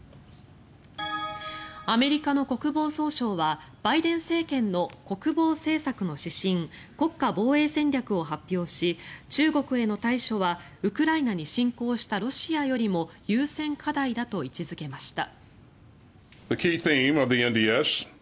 アメリカの国防総省はバイデン政権の国防政策の指針国家防衛戦略を発表し中国への対処はウクライナに侵攻したロシアよりも優先課題だと位置付けました。